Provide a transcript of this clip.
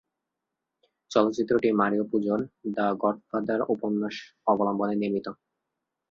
চলচ্চিত্রটি মারিও পুজোর "the Godfather" উপন্যাস অবলম্বনে নির্মিত।